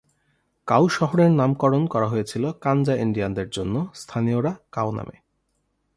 Cow শহরের নামকরণ করা হয়েছিল কানজা ইন্ডিয়ানদের জন্য, স্থানীয়রা "কাও" নামে।